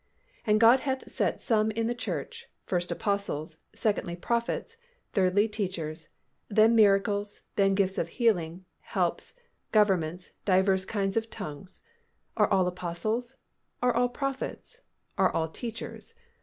And God hath set some in the church, first apostles, secondly prophets, thirdly teachers, then miracles, then gifts of healing, helps, governments, divers kinds of tongues. Are all apostles? Are all prophets? Are all teachers?